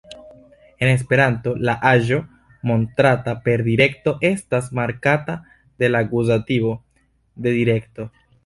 En esperanto, la aĵo montrata per direkto estas markata de la akuzativo de direkto.